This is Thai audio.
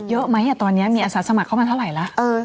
เยอะไหมตอนนี้มีอาสาสมัครเข้ามาเท่าไหร่ละ